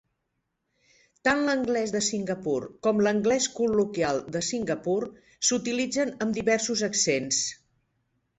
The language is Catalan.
Tant l'anglès de Singapur com l'anglès col·loquial de Singapur s'utilitzen amb diversos accents.